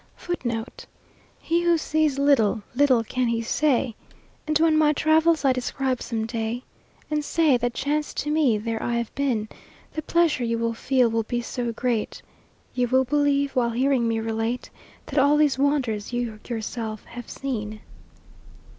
" [Footnote 1: He who sees little, little can he say; And when my travels I describe some day, And say, "That chanced to me there I have been" The pleasure you will feel will be so great, You will believe, while hearing me relate, That all these wonders you yourself have seen.